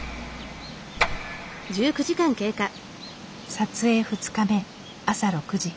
撮影２日目朝６時。